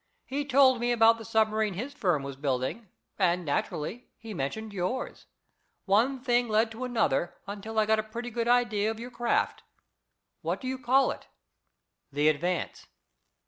He told me about the submarine his firm was building, and, naturally, he mentioned yours. One thing led to another until I got a pretty good idea of your craft. What do you call it?" "The Advance."